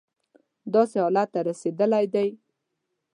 داسې حالت ته رسېدلی دی.